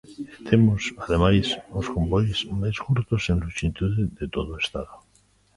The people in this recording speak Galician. E temos, ademais, os convois máis curtos en lonxitude de todo Estado.